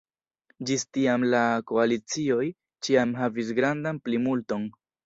Ĝis tiam la koalicioj ĉiam havis grandan plimulton.